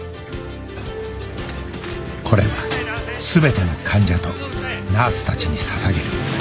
これは全ての患者とナースたちに捧げる